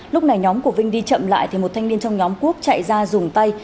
lúc này nhóm của vinh đi chậm lại thì một thanh niên trong nhóm quốc chạy ra dùng tay